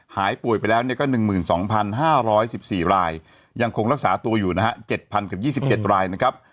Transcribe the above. หายป่วยไปแล้วก็๑๒๕๑๔รายยังคงรักษาตัวอยู่นะฮะ๗๐กับ๒๗รายนะครับ